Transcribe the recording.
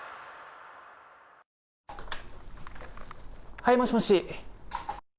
はい、もしもし。